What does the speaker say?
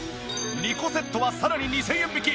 ２個セットはさらに２０００円引き。